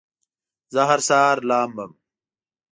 زه هر سهار لامبم